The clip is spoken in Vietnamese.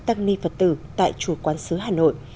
tăng ni phật tử tại chùa quán sứ hà nội